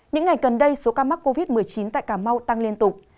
những ngày gần đây số ca mắc covid một mươi chín tại cà mau tăng liên tục